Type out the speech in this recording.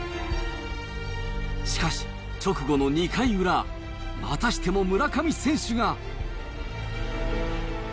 しかし直後の２回裏、またしても村上選手が。